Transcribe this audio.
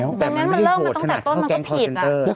แต่มันไม่ได้โหดขนาดเขาแกล้งคอร์เซ็นเตอร์แต่มันเริ่มต้นมาจากต้นมันก็ผิด